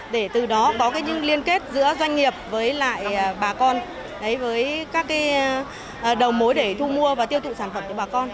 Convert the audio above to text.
để từ đó có những liên kết giữa doanh nghiệp với lại bà con với các đầu mối để thu mua và tiêu thụ sản phẩm cho bà con